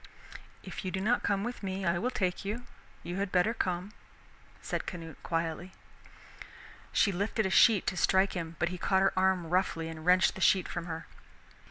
"If you do not come with me, I will take you you had better come," said Canute quietly. She lifted a sheet to strike him, but he caught her arm roughly and wrenched the sheet from her.